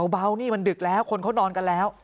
เบานี่มันดึกแล้วคนเขานอนกันแล้ว